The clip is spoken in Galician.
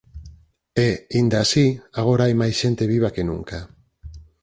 E, inda así, agora hai máis xente viva que nunca...